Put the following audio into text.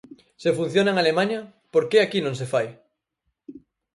Se funciona en Alemaña, ¿por que aquí non se fai?